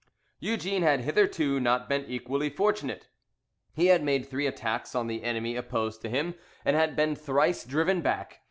Eugene had hitherto not been equally fortunate. He had made three attacks on the enemy opposed to him, and had been thrice driven back.